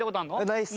ないっす。